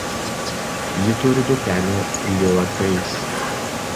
Ji turi dukrelę Lila Grace.